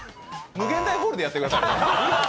∞ホールでやってください。